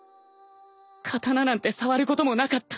刀なんて触ることもなかった